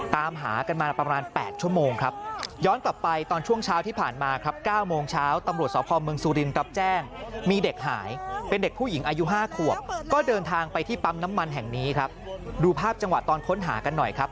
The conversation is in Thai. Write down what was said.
ตามหากันมาประมาณ๘ชั่วโมงครับ